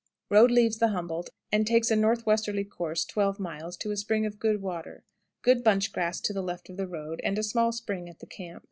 Road leaves the Humboldt, and takes a northwesterly course 12 miles to a spring of good water. Good bunch grass to the left of the road, and a small spring at the camp.